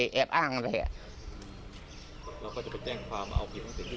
หล่อที่แล้วจะไปแจ้งความเอาผิดตัวเองสุดแล้วต้องนะครับ